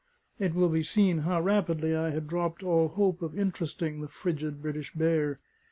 It will be seen how rapidly I had dropped all hope of interesting the frigid British bear.